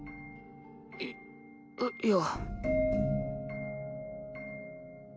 いいや。